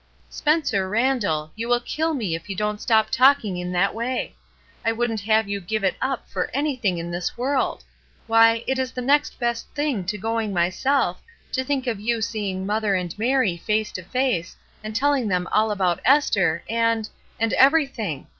" Spencer Randall, you will kill me if you don't stop talking in that way. I wouldn't have you give it up for anything in this world! Why, it is the next best thing to going myself, to think of you seeing mother and Mary face to face and telling them all about Esther, and — and everything.